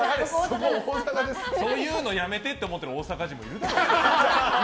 そういうのやめてって思ってる大阪人もいると思う。